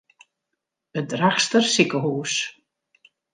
It Drachtster sikehûs.